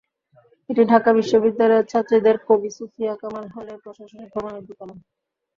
এটি ঢাকা বিশ্ববিদ্যালয়ের ছাত্রীদের কবি সুফিয়া কামাল হলের প্রশাসনিক ভবনের দোতলায়।